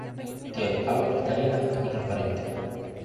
Tiene aguas cristalinas y transparentes.